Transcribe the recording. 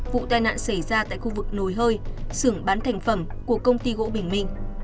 vụ tai nạn xảy ra tại khu vực nồi hơi sưởng bán thành phẩm của công ty gỗ bình minh